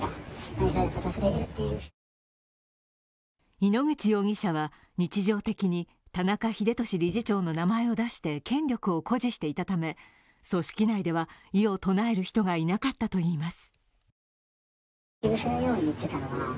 井ノ口容疑者は日常的に田中英寿理事長の名前を出して権力を誇示していたため組織内では異を唱える人がいなかったといいます。